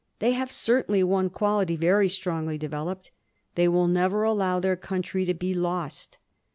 They have certainly one quality very strongly developed. They will never allow their country to be lost.